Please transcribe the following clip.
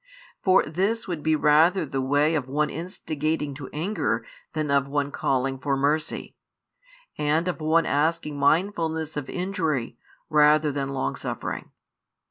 For this would be rather the way of one instigating to anger than of one calling for mercy, and of one asking mindfulness of injury rather than longsuffering.